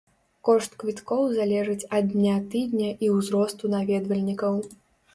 Кошт квіткоў залежыць ад дня тыдня і ўзросту наведвальнікаў.